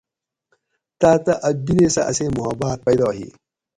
تاۤتہۤ اۤ بیرے سہۤ اسیں محباۤت پیدا ہی